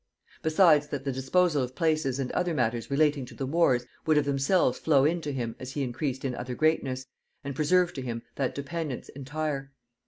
Besides that the disposal of places and other matters relating to the wars, would of themselves flow in to him as he increased in other greatness, and preserve to him that dependence entire.